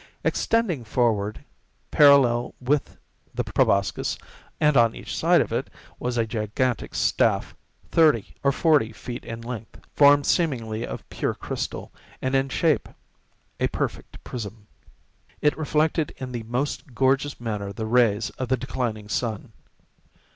Extending forward, parallel with the proboscis, and on each side of it, was a gigantic staff, thirty or forty feet in length, formed seemingly of pure crystal and in shape a perfect prism,—it reflected in the most gorgeous manner the rays of the declining sun.